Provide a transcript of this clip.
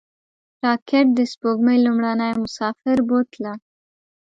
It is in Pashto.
راکټ د سپوږمۍ لومړنی مسافر بوتله